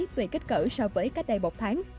tùy kích cỡ so với cách đầy một tháng